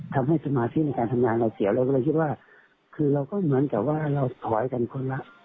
ทำให้สมาธิในการทำงานเราเสียแล้วเราก็เหมือนกับว่าเราถอยกันคนละ